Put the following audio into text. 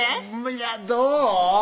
いやどう？